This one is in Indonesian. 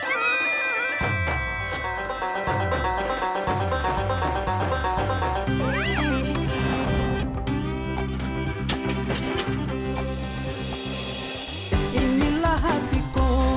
enggak enggak enggak